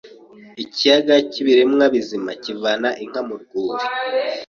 ikiyaga cyIbiremwa bizima bivana inka murwuri